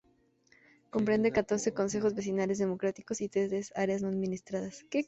Comprende catorce consejos vecinales democráticos y tres áreas no administradas.